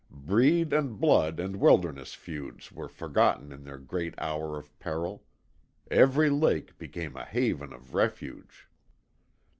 Breed and blood and wilderness feuds were forgotten in the great hour of peril. Every lake became a haven of refuge.